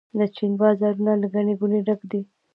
د چین بازارونه له ګڼې ګوڼې ډک دي.